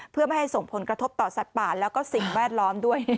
เพื่อไม่ให้ส่งผลกระทบต่อสัตว์ป่าแล้วก็สิ่งแวดล้อมด้วย